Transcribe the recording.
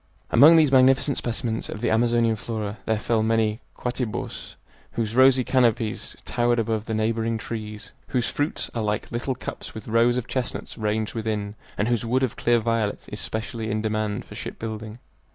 Among these magnificent specimens of the Amazonian flora there fell many "quatibos" whose rosy canopies towered above the neighboring trees, whose fruits are like little cups with rows of chestnuts ranged within, and whose wood of clear violet is specially in demand for ship building.